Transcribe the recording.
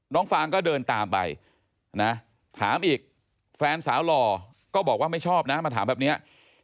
ฟางก็เดินตามไปนะถามอีกแฟนสาวหล่อก็บอกว่าไม่ชอบนะมาถามแบบนี้